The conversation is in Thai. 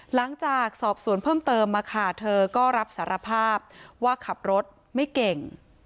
หลังจากสอบสวนเพิ่มเติมมาค่ะเธอก็รับสารภาพว่าขับรถไม่เก่ง